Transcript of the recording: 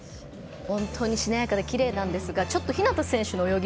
本当に、しなやかできれいなんですがちょっと日向選手の泳ぎ